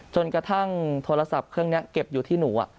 จนกระทั่งโทรศัพท์เครื่องนี้เก็บอยู่ที่หนู